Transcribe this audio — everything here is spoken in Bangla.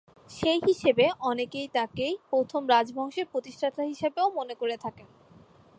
সেই হিসেবে অনেকেই তাকেই প্রথম রাজবংশের প্রতিষ্ঠাতা হিসেবেও মনে করে থাকেন।